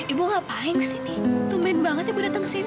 ibu ngapain kesini tumben banget ibu datang kesini